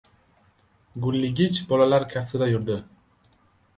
Gulligich bolalar kaftida yurdi.